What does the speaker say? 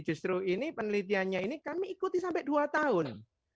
justru ini penelitiannya ini kami ikuti sampai dua tahun